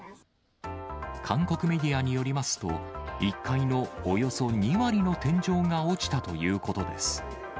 韓国メディアによりますと、１階のおよそ２割の天井が落ちたということです。